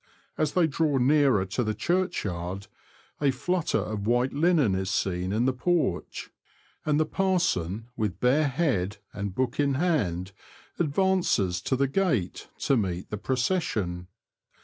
As they draw nearer to the churchyard, a flutter of white linen is seen in the porch, and the parson, with bare head, and book in hand, advances to the gate to meet the procession.